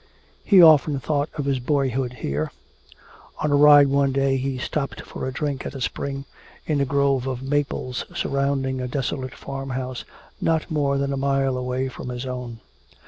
He often thought of his boyhood here. On a ride one day he stopped for a drink at a spring in a grove of maples surrounding a desolate farmhouse not more than a mile away from his own.